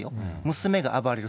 娘が暴れる。